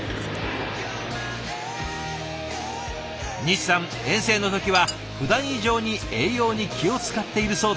西さん遠征の時はふだん以上に栄養に気を遣っているそうです。